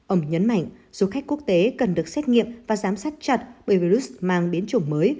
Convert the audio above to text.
ông nhấn mạnh du khách quốc tế cần được xét nghiệm và giám sát chặt bởi virus mang biến chủng mới